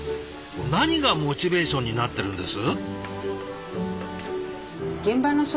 何がモチベーションになってるんです？